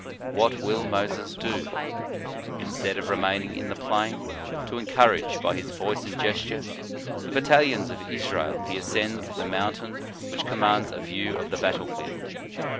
What will Moses do? Instead of remaining in the plain, to encourage, by his voice and gesture, the battalions of Israel, he ascends the mountain which commands a vfew of the battle field.